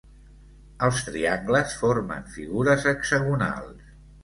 Els triangles formen figures hexagonals.